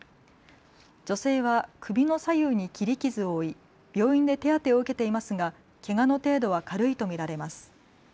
女性は首の左右に切り傷を負い病院で手当てを受けていますがけがの程度は軽いと見られます。